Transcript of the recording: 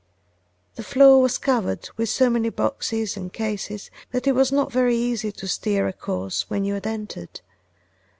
The floor was covered with so many boxes and cases that it was not very easy to steer a course when you had entered.